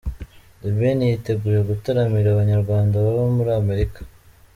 The Ben yiteguye gutaramira abanyarwanda baba muri Amerika.